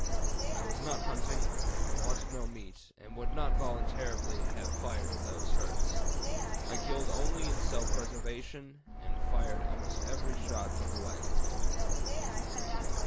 I was not hunting, wanted no meat, and would not voluntarily have fired at these herds. I killed only in self preservation and fired almost every shot from the wagon."